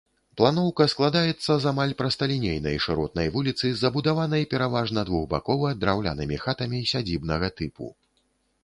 Планоўка складаецца з амаль прасталінейнай шыротнай вуліцы, забудаванай пераважна двухбакова, драўлянымі хатамі сядзібнага тыпу.